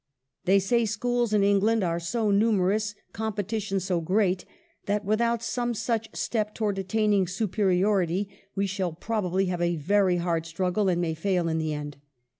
They say schools in England are so numerous, competition so great, that without some such step towards attaining superiority, we shall probably have a very hard struggle and may fail in the end.